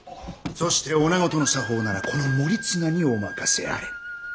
そしておなごとの作法ならこの守綱にお任せあれ。